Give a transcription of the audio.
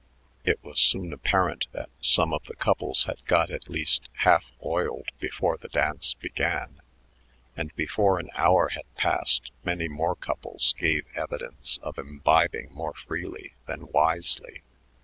It was soon apparent that some of the couples had got at least half "oiled" before the dance began, and before an hour had passed many more couples gave evidence of imbibing more freely than wisely.